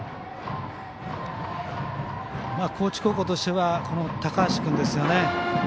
高知高校としてはこの高橋君ですよね。